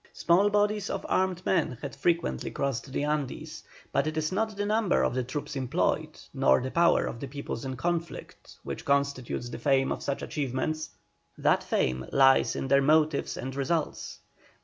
Small bodies of armed men had frequently crossed the Andes, but it is not the number of the troops employed, nor the power of the peoples in conflict, which constitutes the fame of such achievements, that fame lies in their motives and results.